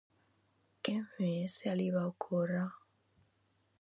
Què més se li va ocórrer?